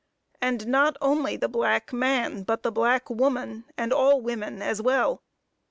And not only the black man, but the black woman, and all women as well.